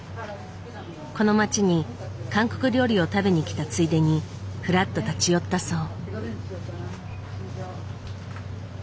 この街に韓国料理を食べに来たついでにふらっと立ち寄ったそう。